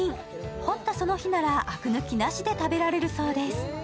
掘ったその日ならあく抜きなしで食べられるそうです。